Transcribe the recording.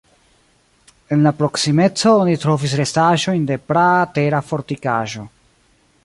En la proksimeco oni trovis restaĵojn de praa tera fortikaĵo.